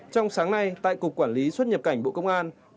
trong sáng nay tại cục quản lý xuất nhập cảnh bộ công an